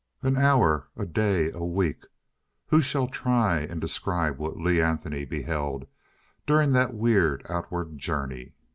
An hour.... A day.... A week.... Who shall try and describe what Lee Anthony beheld during that weird outward journey?...